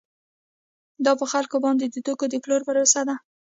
دا په خلکو باندې د توکو د پلورلو پروسه ده